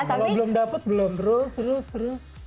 kalau belum dapet belum terus terus terus